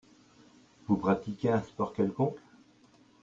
Vous pratiquez un sport quelconque ?